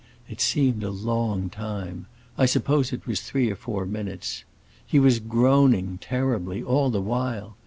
It seemed a long time; I suppose it was three or four minutes. He was groaning, terribly, all the while.